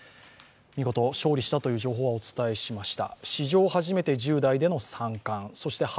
見事勝利したという情報はお伝えしました。